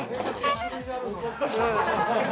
種類あるのに。